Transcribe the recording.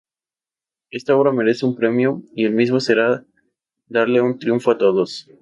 Esta obra merece un premio y el mismo será darle un triunfo a todos.